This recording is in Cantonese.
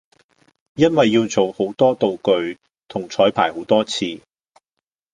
因為要做好多道具同彩排好多次